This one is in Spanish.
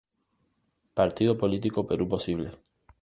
Partido Político Perú Posible".